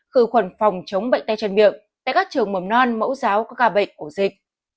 khử khuẩn phòng chống bệnh tay chân miệng tại các trường mầm non mẫu giáo có ca bệnh ổ dịch